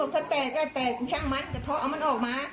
ถ้าแตกก็แตกช่างมัดกระเพาะเอามันออกมา